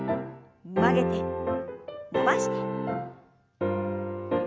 曲げて伸ばして。